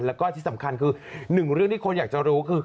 แล้วก็ที่สำคัญคือหนึ่งเรื่องที่คนอยากจะรู้คือ